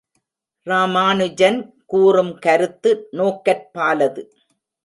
ராமானுஜன் கூறும் கருத்து நோக்கற்பாலது.